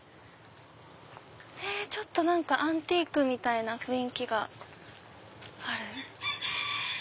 ちょっとアンティークみたいな雰囲気がある。